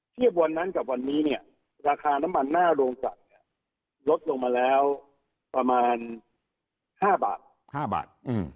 วันนั้นกับวันนี้เนี่ยราคาน้ำมันหน้าโรงศักดิ์ลดลงมาแล้วประมาณ๕บาท